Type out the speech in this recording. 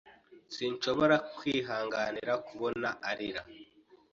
Sinshobora kwihanganira kubona arira.